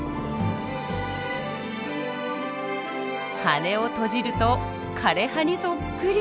羽を閉じると枯れ葉にそっくり。